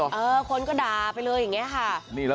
เออคนก็ด่าไปเลยอย่างนี้ค่ะ